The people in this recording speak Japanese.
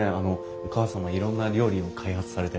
お母様いろんな料理を開発されて。